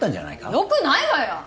よくないわよ！